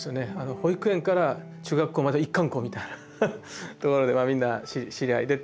保育園から中学校まで一貫校みたいなところでみんな知り合いでっていう。